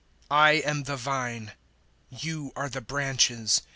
015:005 I am the Vine, you are the branches.